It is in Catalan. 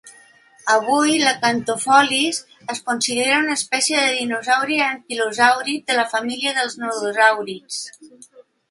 Avui l'"acanthopholis" es considera una espècie de dinosaure anquilosàurid de la família dels nodosàurids.